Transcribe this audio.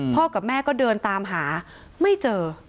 กับแม่ก็เดินตามหาไม่เจอ